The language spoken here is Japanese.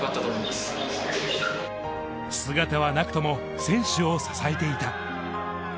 姿はなくとも選手を支えていた。